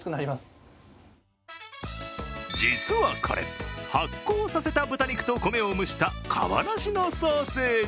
実はこれ、発酵させた豚肉と米を蒸した皮なしのソーセージ。